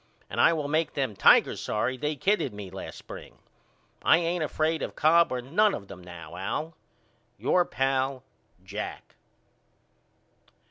And I will make them Tigers sorry they kidded me last spring. I ain't afraid of Cobb or none of them now, Al. Your pal, JACK.